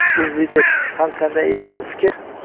UzLiDeP: Har qanday erkin fikr